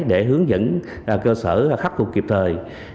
để hướng dẫn cơ sở khắc phục kịp thời